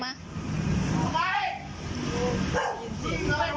พลังไว้กลูกก้าว